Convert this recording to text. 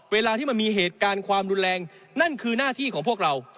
เวลาที่มันมีเหตุการณ์ความรุนแรงนั่นคือหน้าที่ของพวกเรา